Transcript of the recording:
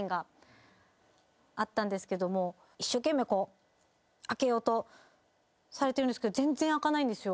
一生懸命開けようとされてるんですけど全然開かないんですよ。